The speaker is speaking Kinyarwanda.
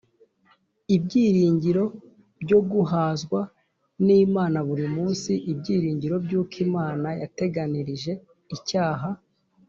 Ibyiringiro byoguhazwa n'Imana buri munsi Ibyiringiro by'uko Imana yateganirije icyaha